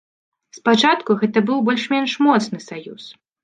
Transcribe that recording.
Спачатку гэта быў больш-менш моцны саюз.